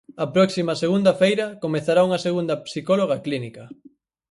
A próxima segunda feira comezará unha segunda psicóloga clínica.